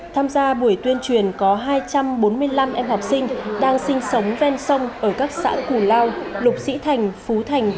tham gia buổi tuyên truyền có hai trăm bốn mươi năm em học sinh đang sinh sống ven sông ở các xã cù lao lục sĩ thành phú thành